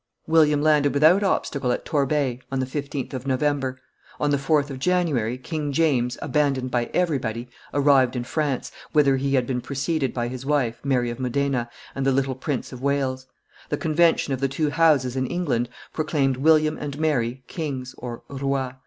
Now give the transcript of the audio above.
_ William landed without obstacle at Torbay, on the 15th of November; on the 4th of January, King James, abandoned by everybody, arrived in France, whither he had been preceded by his wife, Mary of Modena, and the little Prince of Wales; the convention of the two Houses in England proclaimed William and Mary kings (rois